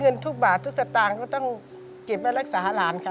เงินทุกบาทตุกสตางค์ก็ต้องจิบรักษาหลานค่ะ